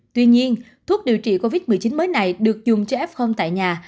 tuy nhiên thuốc điều trị covid một mươi chín mới này được dùng cho f tại nhà